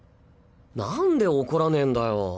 なんで怒らねえんだよ。